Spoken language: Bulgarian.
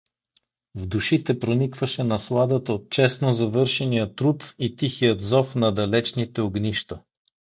В душите проникваше насладата от честно завършения труд и тихият зов на далечните огнища.